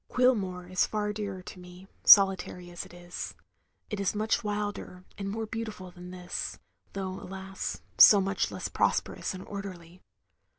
Cuilmore is far dearer to me, solitary as it is. It is much wilder and more beautiftd than this, though alas, so much less prosperous and orderly.